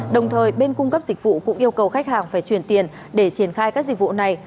đồng thời bên cung cấp dịch vụ cũng yêu cầu khách hàng phải chuyển tiền để triển khai các dịch vụ này